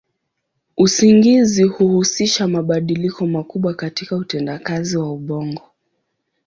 Usingizi huhusisha mabadiliko makubwa katika utendakazi wa ubongo.